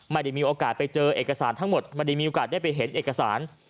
ไม่ได้มีโอกาสไปเจอเอกสารทั้งหมดไม่ได้มีโอกาสได้ไปเห็นเอกสาร